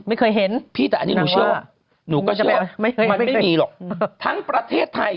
ไม่เคยเห็นพี่แต่อันนี้หนูเชื่อว่าหนูก็เชื่อมันไม่มีหรอกทั้งประเทศไทย